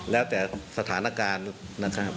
แล้วแต่สถานการณ์นะครับ